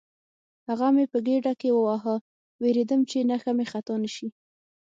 هغه مې په ګېډه کې وواهه، وېرېدم چې نښه مې خطا نه شي.